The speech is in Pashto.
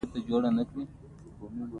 موږ هغه تر قضایي قانون لاندې راوستی شو.